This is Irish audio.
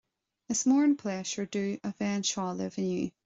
Is mór an pléisiúr dom a bheith anseo libh inniu